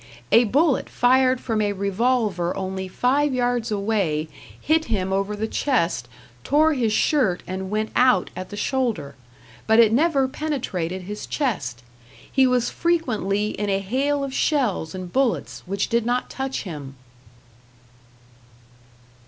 A bullet fired from a revolver only five yards away hit him over the chest, tore his shirt and went out at the shoulder. But it never penetrated his chest. He was frequently in a hail of shells and bullets which did not touch him.